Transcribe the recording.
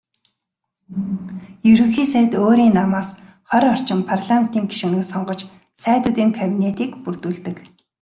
Ерөнхий сайд өөрийн намаас хорь орчим парламентын гишүүнийг сонгож "Сайдуудын кабинет"-ийг бүрдүүлдэг.